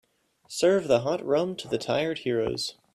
Serve the hot rum to the tired heroes.